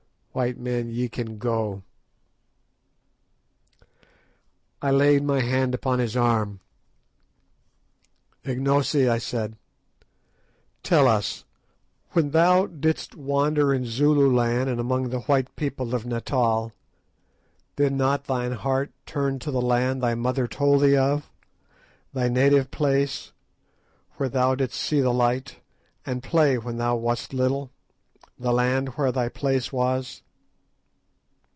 White men, ye can go." I laid my hand upon his arm. "Ignosi," I said, "tell us, when thou didst wander in Zululand, and among the white people of Natal, did not thine heart turn to the land thy mother told thee of, thy native place, where thou didst see the light, and play when thou wast little, the land where thy place was?"